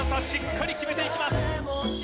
しっかり決めていきます